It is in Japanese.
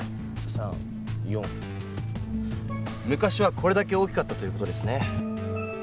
昔はこれだけ大きかったという事ですね。